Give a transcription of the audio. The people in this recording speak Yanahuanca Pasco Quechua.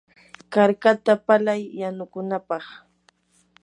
karkata palay yanukunapaq.